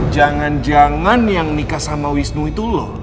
jangan jangan yang nikah sama wisnu itu loh